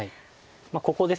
ここです。